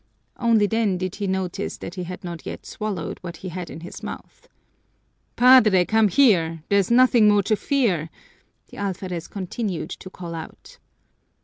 Only then did he notice that he had not yet swallowed what he had in his mouth. "Padre, come here! There's nothing more to fear!" the alferez continued to call out.